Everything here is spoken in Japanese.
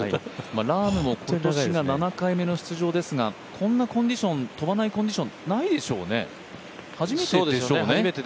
ラームも今年が７回目の出場ですが、こんな飛ばないコンディションないでしょうね、初めてでしょうね。